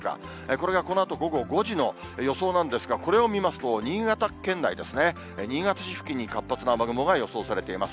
これがこのあと午後５時の予想なんですが、これを見ますと、新潟県内ですね、新潟市付近に活発な雨雲が予想されています。